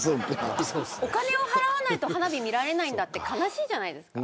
お金を払わないと花火を見られないって悲しいじゃないですか。